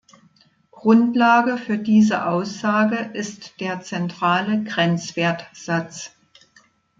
Grundlage für diese Aussage ist der zentrale Grenzwertsatz.